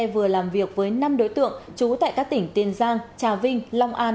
vừa làm việc với năm đối tượng trú tại các tỉnh tiền giang trà vinh long an